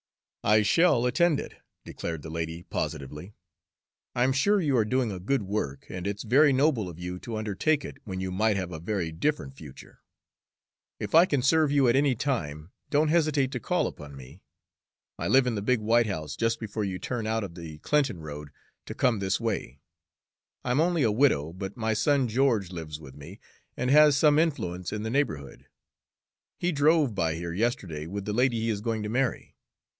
"I shall attend it," declared the lady positively. "I'm sure you are doing a good work, and it's very noble of you to undertake it when you might have a very different future. If I can serve you at any time, don't hesitate to call upon me. I live in the big white house just before you turn out of the Clinton road to come this way. I'm only a widow, but my son George lives with me and has some influence in the neighborhood. He drove by here yesterday with the lady he is going to marry.